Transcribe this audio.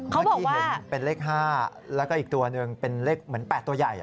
เมื่อกี้เห็นเป็นเลข๕แล้วก็อีกตัวหนึ่งเป็นเลขเหมือน๘ตัวใหญ่